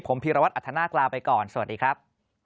ผมพีรวัตรอัธนาคลาไปก่อนสวัสดีครับ